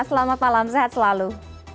selamat malam sehat selalu